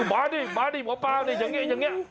เออมานี่มานี่หมอป้าอย่างนี้อย่างนี้